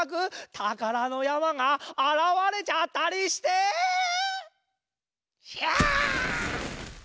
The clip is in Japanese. たからのやまがあらわれちゃったりして⁉ひゃあ！